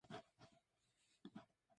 あーあ幸せだったなー